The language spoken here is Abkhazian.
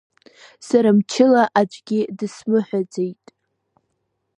Сара мчыла аӡәгьы дсымыҳәаӡеит.